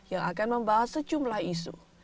yang akan membahas sejumlah isu